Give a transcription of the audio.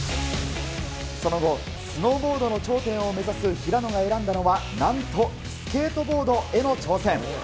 その後、スノーボードの頂点を目指す平野が選んだのは、なんとスケートボードへの挑戦。